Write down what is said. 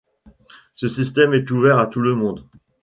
Ce système est ouvert à tout le monde.